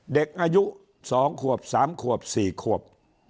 เด็กอายุ๒ขวบ๓ขวบ๔ขวบ